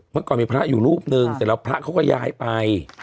เมื่อก่อนมีพระอยู่รูปนึงเสร็จแล้วพระเขาก็ย้ายไป